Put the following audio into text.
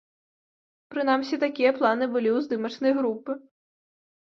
Прынамсі, такія планы былі ў здымачнай групы.